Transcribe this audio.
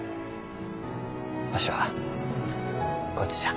わしはこっちじゃ。